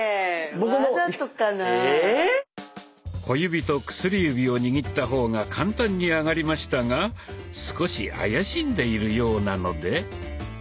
小指と薬指を握った方が簡単に上がりましたが少し怪しんでいるようなので。